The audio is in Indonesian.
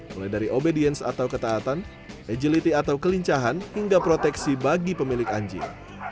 mulai dari obedience atau ketaatan agility atau kelincahan hingga proteksi bagi pemilik anjing